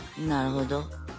なるほど。